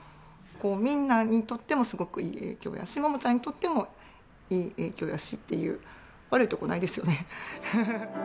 みんなにとってもすごくいい影響やし、ももちゃんにとってもいい影響だしっていう、悪いとこないですよね。